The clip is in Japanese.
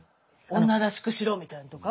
女らしくしろみたいのとか？